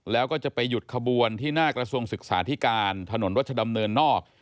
แล้วก็จะไปหยุดขบวนที่หน้ากระทรวงศึกษาธิการถนนรัชดำเนินนอก